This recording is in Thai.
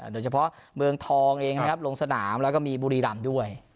โดยเฉพาะเมืองทองเองนะครับลงสนามแล้วก็มีบุรีรำด้วย